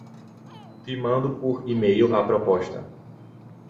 Te mando por e-mail a proposta